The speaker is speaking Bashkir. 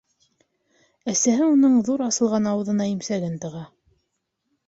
Әсәһе уның ҙур асылған ауыҙына имсәген тыға.